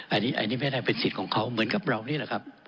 อันนี้ไม่ได้เป็นสิทธิ์ของเขาเหมือนกับเรานี่แหละครับ